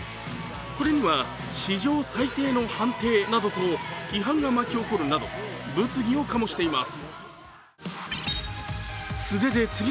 これには、史上最低の判定などと批判が巻き起こるなど、物議を醸しています。